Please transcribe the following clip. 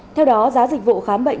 theo đó giá dịch vụ khám bệnh